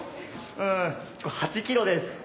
うんこれ８キロです。